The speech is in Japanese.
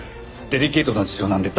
デリケートな事情なんで。